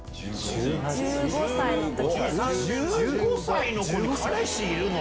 １５歳の子に「彼氏いるの？」